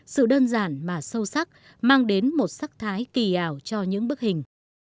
sự đơn giản mà sâu sắc mang đến một sắc thái kỳ ảo cho những bức hình